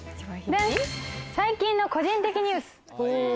最近の個人的ニュース。